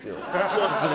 そうですね。